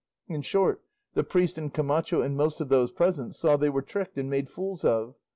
In short, the priest and Camacho and most of those present saw they were tricked and made fools of.